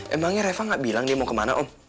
emangnya reva gak bilang nih mau kemana om